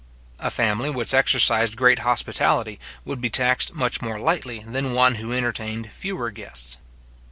A family which exercised great hospitality, would be taxed much more lightly than one who entertained fewer guests.